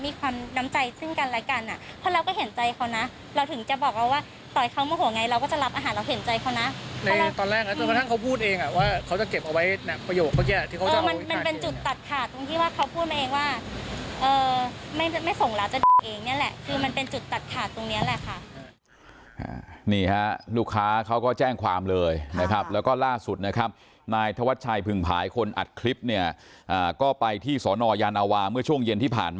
มีความน้ำใจซึ่งกันและกันอ่ะเพราะเราก็เห็นใจเขานะเราถึงจะบอกว่าว่าต่อเขาเมื่อไหร่ไงเราก็จะรับอาหารเราเห็นใจเขานะในตอนแรกนะตอนกระทั่งเขาพูดเองอ่ะว่าเขาจะเก็บเอาไว้ในประโยคเขาแย่มันเป็นจุดตัดขาดตรงที่ว่าเขาพูดมาเองว่าเออไม่ส่งร้านจะดีเองเนี่ยแหละคือมันเป็นจุดตัดขาดตรงเนี้